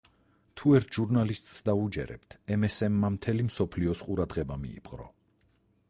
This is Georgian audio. თუ ერთ ჟურნალისტს დავუჯერებთ, მსმ–მა მთელი მსოფლიოს ყურადღება მიიპყრო.